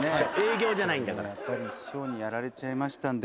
やっぱり師匠にやられちゃいましたんで。